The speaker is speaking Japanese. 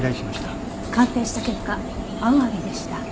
鑑定した結果アワビでした。